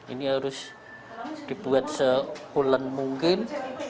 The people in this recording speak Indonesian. ini harus dibuat sekulen mungkin